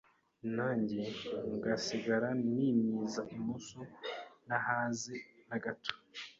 nanjye ngasigara nimyiza imoso, ntahaze na gato.